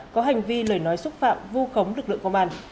có hành vi lời nói xúc phạm vu khống lực lượng công an